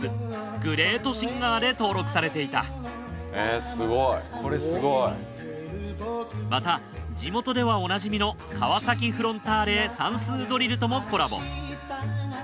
グレートシンガーで登録されていたまた地元ではおなじみの川崎フロンターレ算数ドリルともコラボ。